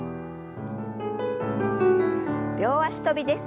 両脚跳びです。